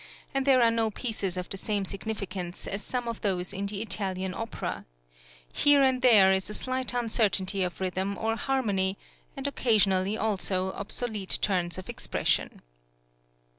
and there are no pieces of the same significance as some of those in the Italian opera; here and there is a slight uncertainty of rhythm or harmony, and occasionally also obsolete turns of expression.